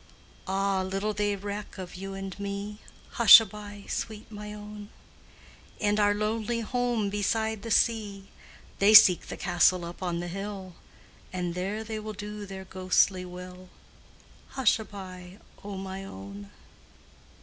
Ah, little they reck of you and me Hushaby, sweet my own! In our lonely home beside the sea; They seek the castle up on the hill, And there they will do their ghostly will Hushaby, O my own!